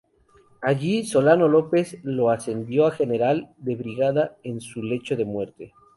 Allí, Solano López lo ascendió a general de brigada en su lecho de muerte.